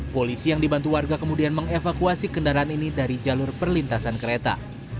polisi yang dibantu warga kemudian mengevakuasi kendaraan ini dari jalur perlintasan kereta